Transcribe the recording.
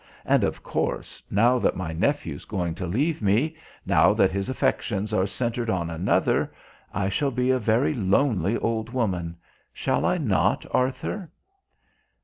And, of course, now that my nephew's going to leave me, now that his affections are centred on another, I shall be a very lonely old woman.... Shall I not, Arthur?"